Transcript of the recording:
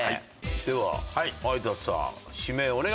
では有田さん指名お願いします。